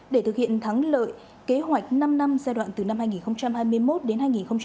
để thực hiện thắng lợi kế hoạch năm năm giai đoạn từ năm hai nghìn hai mươi một đến hai nghìn hai mươi năm